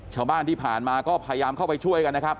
ชาวบ้านที่ผ่านมาก็พยายามเข้าไปช่วยกันนะครับ